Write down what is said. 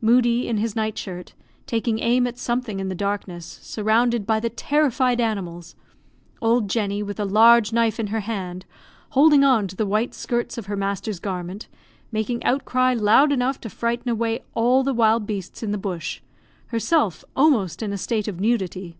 Moodie, in his night shirt, taking aim at something in the darkness, surrounded by the terrified animals; old Jenny, with a large knife in her hand, holding on to the white skirts of her master's garment, making outcry loud enough to frighten away all the wild beasts in the bush herself almost in a state of nudity.